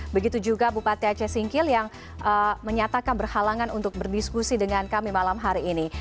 begitu juga bupati aceh singkil yang menyatakan berhalangan untuk berdiskusi dengan kami malam hari ini